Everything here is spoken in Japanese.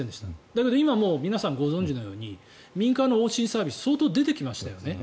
だけど今、皆さんご存じのように民間の往診サービスって相当出てきましたよね。